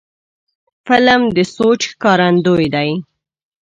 فلم د سوچ ښکارندوی دی